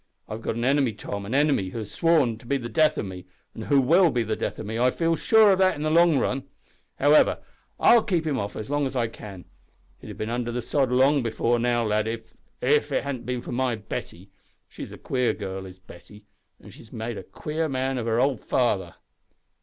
I've got an enemy, Tom, an enemy who has sworn to be the death o' me, and who will be the death o' me, I feel sure o' that in the long run. However, I'll keep him off as long as I can. He'd have been under the sod long afore now, lad if if it hadn't bin for my Betty. She's a queer girl is Betty, and she's made a queer man of her old father."